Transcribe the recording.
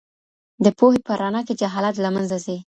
د پوهې په رڼا کي جهالت له منځه ځي.